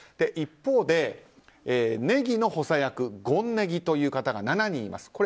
一方で禰宜の補佐役権禰宜という方が７人います。